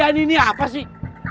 kalian ini apa sih